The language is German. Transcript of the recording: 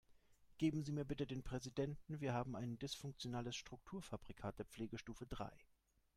Geben Sie mir bitte den Präsidenten, wir haben ein dysfunktionales Strukturfabrikat der Pflegestufe drei.